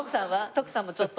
徳さんもちょっと。